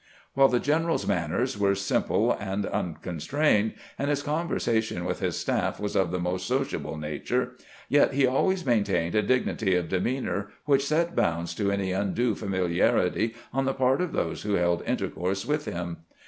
While the general's manners were simple and uncon strained, and his conversation with his staff was of the most sociable nature, yet he always maintained a dignity of demeanor which set bounds to any undue familiarity on the part of those who held intercourse with him.